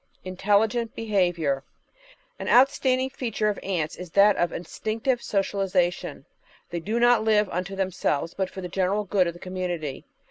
Intelligent Behaviour An outstanding feature of Ants is that of instinctive social isation. They do not live unto themselves, but for the general good of the community.